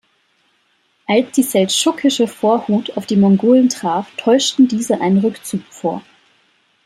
Als die seldschukische Vorhut auf die Mongolen traf, täuschten diese einen Rückzug vor.